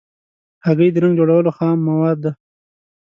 هګۍ د رنګ جوړولو خام مواد ده.